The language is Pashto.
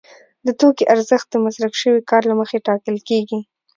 د توکي ارزښت د مصرف شوي کار له مخې ټاکل کېږي